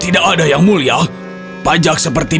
tidak ada apa apa suppresires